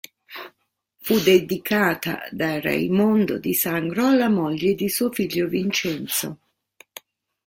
Fu dedicata da Raimondo di Sangro alla moglie di suo figlio Vincenzo.